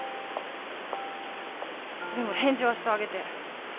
でも返事はしてあげて。